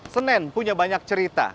senen punya banyak cerita